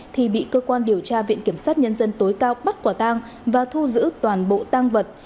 thì bị cơ quan điều tra viện kiểm sát nhân dân tối cao bắt quả tang và thu giữ toàn bộ tang vật